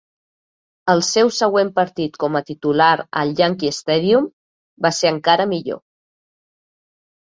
El seu següent partit com a titular al Yankee Stadium va ser encara millor.